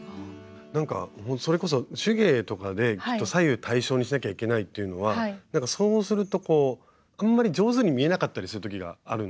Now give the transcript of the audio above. なんかそれこそ手芸とかで左右対称にしなきゃいけないというのはなんかそうするとあんまり上手に見えなかったりする時があるんですよね